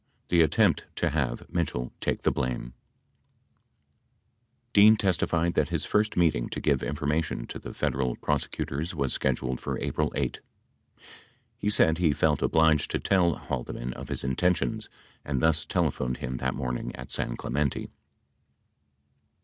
THE ATTEMPT TO HAVE MITCHELL TAKE THE BLAME Dean testified that his first meeting to give information to the Fed eral prosecutors was scheduled for April 8. He said he felt obliged to tell Haldeman of his intentions and thus telephoned him that morn ing at San Clemente.